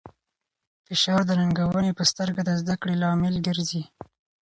فشار د ننګونې په سترګه د زده کړې لامل ګرځي.